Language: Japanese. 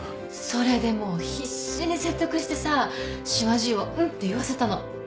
それでもう必死に説得してさ島ジイをうんって言わせたの。